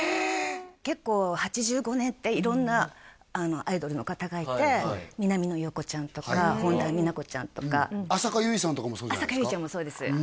結構８５年って色んなアイドルの方がいて南野陽子ちゃんとか本田美奈子．ちゃんとか浅香唯さんとかも浅香唯ちゃんもそうですはい